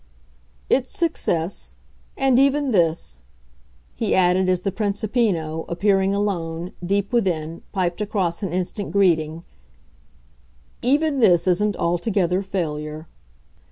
"It's success. And even this," he added as the Principino, appearing alone, deep within, piped across an instant greeting "even this isn't altogether failure!"